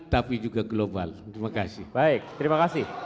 tapi juga global terima kasih